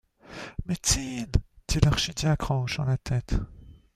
Médecine! dit l’archidiacre en hochant la tête.